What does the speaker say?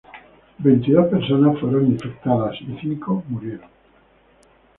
Veintidós personas fueron infectadas, y cinco murieron.